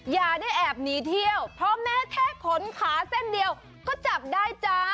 อย่าได้แอบหนีเที่ยวเพราะแม้แค่ขนขาเส้นเดียวก็จับได้จ้า